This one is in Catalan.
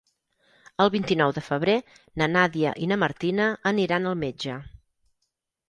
El vint-i-nou de febrer na Nàdia i na Martina aniran al metge.